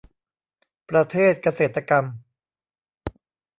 ประเทศเกษตรกรรม